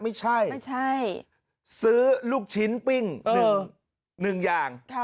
ไม่ใช่ซื้อลูกชิ้นปิ้ง๑อย่าง